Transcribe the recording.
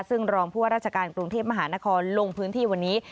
ซึ่งรองผู้ว่าราชการกรุงเทพมหานครลงพื้นที่วันนี้